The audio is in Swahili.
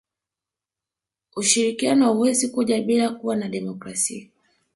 ushirikiano hauwezi kuja bila kuwa na demokrasia